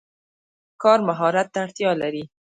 کار مهارت ته اړتیا لري.